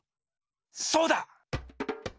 そうだ！